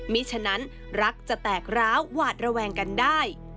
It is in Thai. ฉะนั้นรักจะแตกร้าวหวาดระแวงกันได้